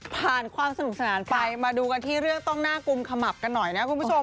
ความสนุกสนานไปมาดูกันที่เรื่องต้องหน้ากุมขมับกันหน่อยนะคุณผู้ชม